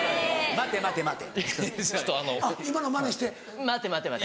「待て待て待て」。